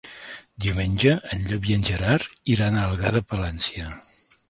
Diumenge en Llop i en Gerard iran a Algar de Palància.